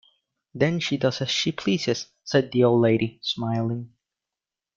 “Then she does as she pleases,” said the old lady, smiling.